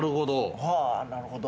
なるほど。